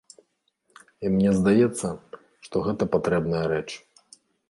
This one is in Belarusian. І мне здаецца, што гэта патрэбная рэч.